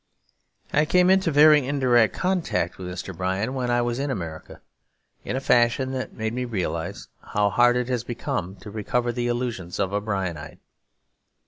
I came into very indirect contact with Mr. Bryan when I was in America, in a fashion that made me realise how hard it has become to recover the illusions of a Bryanite.